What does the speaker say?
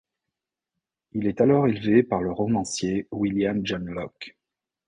Il est alors élevé par le romancier William John Locke.